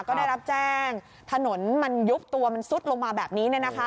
ก็ได้รับแจ้งถนนมันยุบตัวมันซุดลงมาแบบนี้